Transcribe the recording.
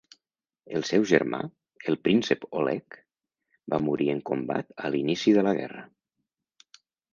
El seu germà, el Príncep Oleg, va morir en combat a l'inici de la guerra.